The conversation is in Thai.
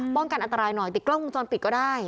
ป้องกันอันตรายหน่อยติดกล้องคุมจรปิดก็ได้